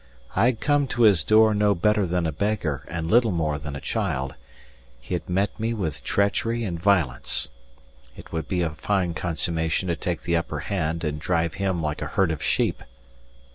I had come to his door no better than a beggar and little more than a child; he had met me with treachery and violence; it would be a fine consummation to take the upper hand, and drive him like a herd of sheep.